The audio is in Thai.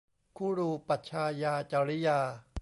คุรูปัชฌายาจริยา